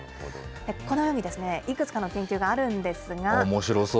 このように、いくつかの研究があおもしろそう。